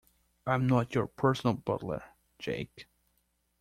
I'm not your personal butler, Jake.